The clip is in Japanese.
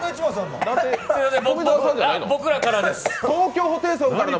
僕らからです